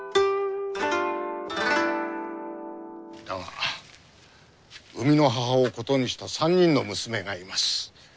だが生みの母を異にした３人の娘がいます。